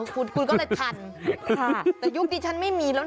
คุณก็เลยทันแต่ยุคที่ฉันไม่มีแล้วนะ